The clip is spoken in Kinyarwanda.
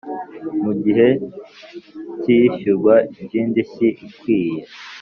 Mugihe cy iyishyurwa ryindishyi ikwiye